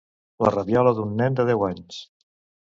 La rabiola d'un nen de deu anys.